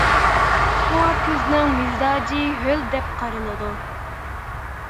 شۇڭا كۆزنىڭ مىزاجى ھۆل دەپ قارىلىدۇ.